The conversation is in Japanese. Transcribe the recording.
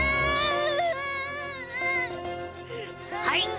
はい。